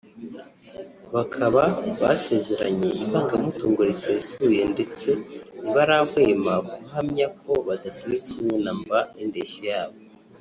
bakaba basezeranye Ivangamutungo risesuye ndetse ntibarahwema guhamya ko badatewe ipfunwe na mba n’indeshyo yabo